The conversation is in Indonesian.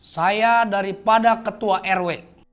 saya daripada ketua rw